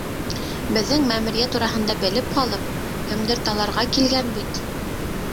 Беҙҙең мәмерйә тураһында белеп ҡалып, кемдер таларға килгән бит!